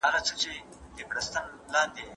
د زیږون خونه څنګه سمبال وي؟